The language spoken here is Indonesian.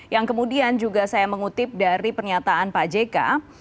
yang kemudian juga saya mengutip dari pernyataan pak jk